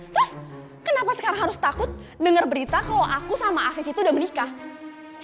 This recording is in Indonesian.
terus kenapa sekarang harus takut denger berita kalau aku sama afif itu udah menikah